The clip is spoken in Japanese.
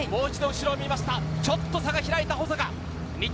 ちょっと差が開いた保坂。